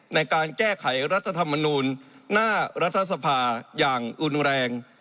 ในการแก้ไขรัฐธรรมนูลหน้ารัฐสภาอย่างรุนแรง